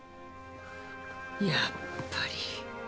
やっぱり。